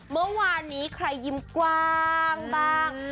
เมื่อวานนี้ใครยิ้มกว้างบ้าง